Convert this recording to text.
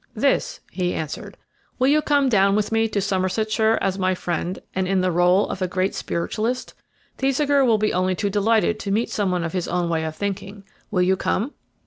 "This," he answered. "Will you come down with me to Somersetshire as my friend, and in the rôle of a great spiritualist? Thesiger will be only too delighted to meet some one of his own way of thinking. Will you come?"